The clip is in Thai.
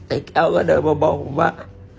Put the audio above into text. แก้วก็เดินมาบอกผมว่า